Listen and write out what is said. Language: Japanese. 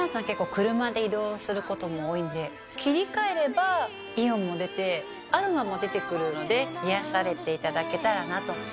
結構車で移動することも多いんで切り替えればイオンも出てアロマも出て来るので癒やされていただけたらなと。